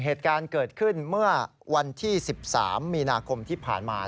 เหตุการณ์เกิดขึ้นเมื่อวันที่๑๓มีนาคมที่ผ่านมา